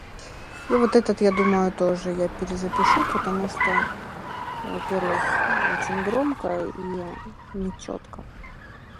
После того, как зачитаешь это предложение - отдохни минут пять-десять.